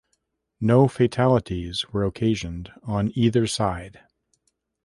No fatalities were occasioned on either side.